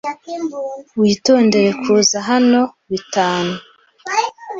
Witondere kuza hano bitanu.